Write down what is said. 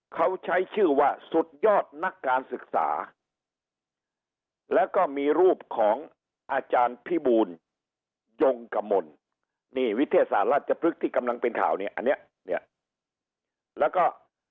เขาใช้ชื่อว่าสุดยอดนักการศึกษาแล้วก็มีรูปของอาจารย์พิบูลยงกมลนี่วิทยาศาสตร์ราชพฤกษ์ที่กำลังเป็นข่าวเนี่ยอันนี้เนี่ยแล้วก็